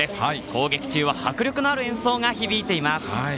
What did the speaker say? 攻撃中は迫力のある演奏が響いています。